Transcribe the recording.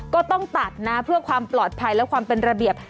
ก็ต้องตัดนะเพื่อความปลอดภัยและความเป็นระเบียบ